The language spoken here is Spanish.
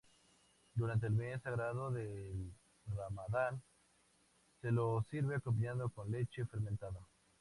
Durante el mes sagrado del Ramadán, se lo sirve acompañado con leche fermentada.